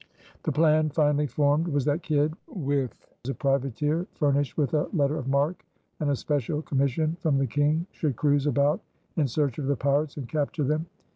The plan finally formed was that Kidd with a privateer furnished with a letter of marque and a special commission from the King should cruise about in search of the pirates and capture them.